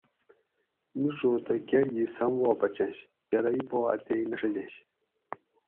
مِیڄو تہ کڑ گھی سم وا بچنش کرائی پا اتیک نہ ڛجینش